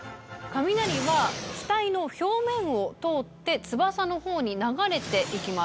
雷は機体の表面を通って翼のほうに流れて行きます。